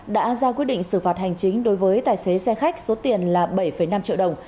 đã ra quyết định xử phạt hành chính đối với tài xế xe khách số tiền là bảy năm triệu đồng